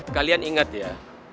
kalian ingat ya